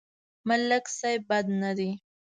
ملک صيب بد نه دی.